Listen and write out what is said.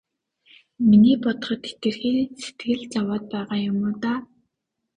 Миний бодоход хэтэрхий сэтгэл зовоод байгаа юм уу даа.